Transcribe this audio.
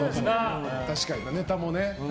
確かに、ネタもね。